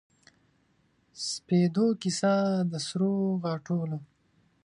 سپیدو کیسه د سروغاټولو